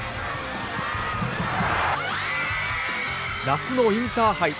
夏のインターハイ